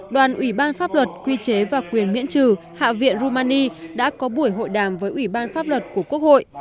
đoàn ủy ban pháp luật quy chế và quyền miễn trừ hạ viện rumani đã có buổi hội đàm với ủy ban pháp luật của quốc hội